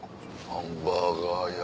ハンバーガー屋。